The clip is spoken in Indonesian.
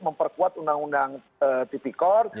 memperkuat undang undang tipikor